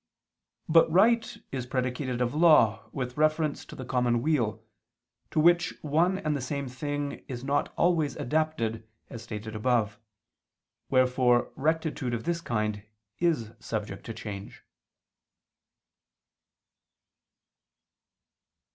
But right is predicated of law with reference to the common weal, to which one and the same thing is not always adapted, as stated above: wherefore rectitude of this kind is subject to change.